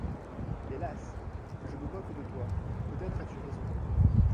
Hélas! je me moque de toi, peut-être as-tu raison.